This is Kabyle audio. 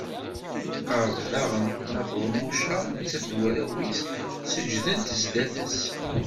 Tqerreb daɣen Nna Feḍmuca nettat d warraw-is, seǧǧden zdat-s.